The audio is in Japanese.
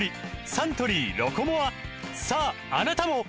サントリー「ロコモア」さああなたも！